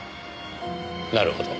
なるほど。